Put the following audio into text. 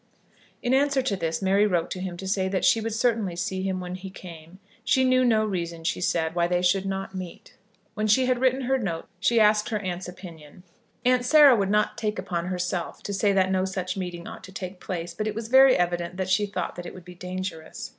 In answer to this Mary wrote to him to say that she would certainly see him when he came. She knew no reason, she said, why they should not meet. When she had written her note she asked her aunt's opinion. Aunt Sarah would not take upon herself to say that no such meeting ought to take place, but it was very evident that she thought that it would be dangerous.